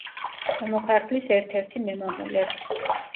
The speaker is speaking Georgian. ქვემო ქართლის ერთ-ერთი მემამულე.